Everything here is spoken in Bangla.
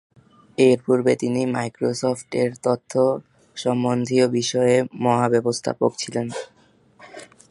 এর পূর্বে তিনি মাইক্রোসফটের তথ্য সম্বন্ধীয় বিষয়ের মহা-ব্যবস্থাপক ছিলেন।